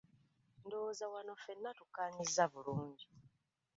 Ndowooza wano ffenna tukkaanyizza bulungi.